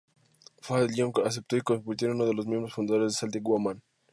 Fallon aceptó y se convirtió en uno de los miembros fundadores de Celtic Woman.